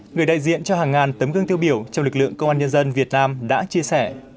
người đại diện cho hàng ngàn tấm gương tiêu biểu trong lực lượng công an nhân dân việt nam đã chia sẻ